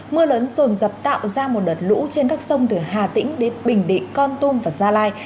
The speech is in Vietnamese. mưa lớn rồn dập tạo ra một đợt lũ trên các sông từ hà tĩnh đến bình định con tum và gia lai